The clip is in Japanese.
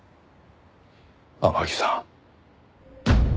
天樹さん。